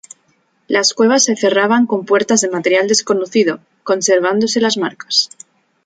Las cuevas se cerraban con puertas de material desconocido, conservándose las marcas.